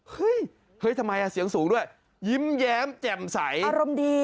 เฮ้ยเฮ้ยทำไมเสียงสูงด้วยยิ้มแย้มแจ่มใสอารมณ์ดี